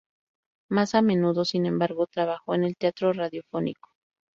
Más a menudo, sin embargo, trabajó en el teatro radiofónico.